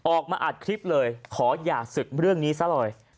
ออกมาอัดคลิปเลยขออย่าศึกเรื่องนี้ซะเลย